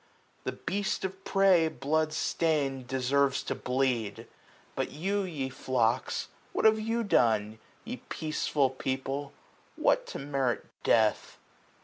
The beast of prey, Blood stain'd, deserves to bleed : But you, ye flocks. What have you done j ye peaceful people, what. To merit death